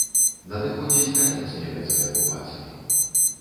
Надыходзіць канец нямецкай акупацыі.